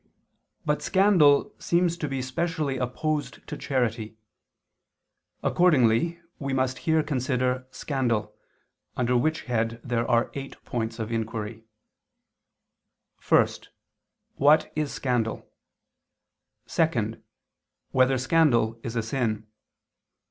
But scandal seems to be specially opposed to charity. Accordingly we must here consider scandal, under which head there are eight points of inquiry: (1) What is scandal? (2) Whether scandal is a sin?